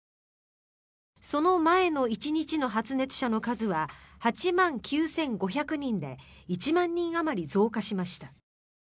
その前の１日の発熱者の数は８万９５００人で１万人あまり増加しました。